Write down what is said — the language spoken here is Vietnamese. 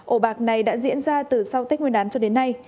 ổ bạc này đã diễn ra từ sau tết nguyên đán cho đến nay